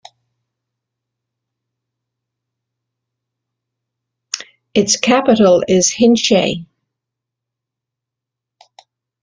Its capital is Hinche.